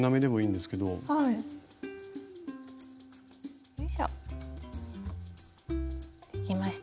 できました。